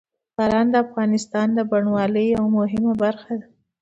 باران د افغانستان د بڼوالۍ یوه مهمه برخه ده.